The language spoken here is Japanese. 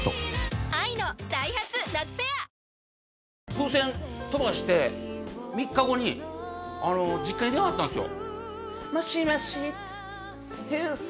風船飛ばして３日後に実家に電話あったんですよ。